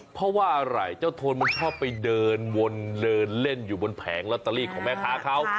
เพราะว่าอะไรเจ้าโทนมันชอบไปเดินวนเดินเล่นอยู่บนแผงลอตเตอรี่ของแม่ค้าเขา